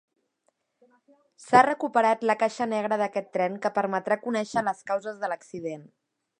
S'ha recuperat la caixa negra d'aquest tren que permetrà conèixer les causes de l'accident.